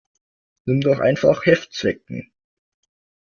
Nimm doch einfach Heftzwecken.